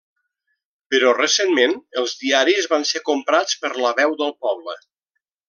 Però recentment els diaris van ser comprats per La Veu del Poble.